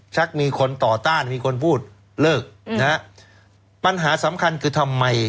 มีคนต่อต้านมีคนพูดเลิกนะฮะปัญหาสำคัญคือทำไม